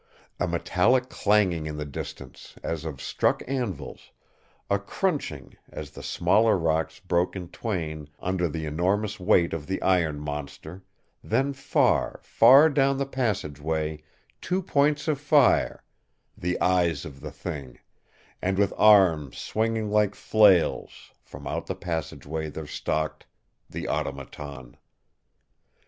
A metallic clanging in the distance, as of struck anvils, a crunching, as the smaller rocks broke in twain under the enormous weight of the iron monster, then far, far down the passageway two points of fire the eyes of the thing and with arms swinging like flails, from out the passageway there stalked the Automaton.